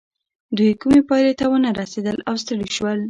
دوی کومې پايلې ته ونه رسېدل او ستړي شول.